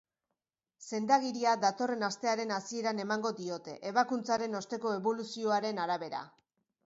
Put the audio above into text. Sendagiria datorren astearen hasieran emango diote, ebakuntzaren osteko eboluzioaren arabera.